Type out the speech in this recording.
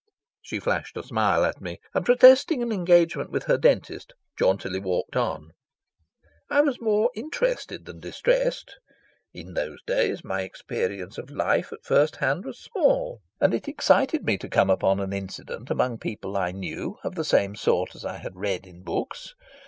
She flashed a smile at me, and, protesting an engagement with her dentist, jauntily walked on. I was more interested than distressed. In those days my experience of life at first hand was small, and it excited me to come upon an incident among people I knew of the same sort as I had read in books.